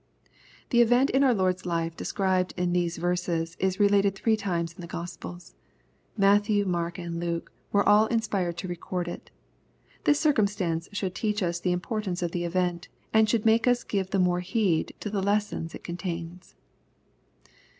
The event in our Lord's life described in these verses is related three times in the Gk)spels. Mat thew, M ark, and Luk e were all inspired to record it. This circumstance should teach us the importance of the event, and should make us " give th^jaoxe heeJ^o the lessons it contains.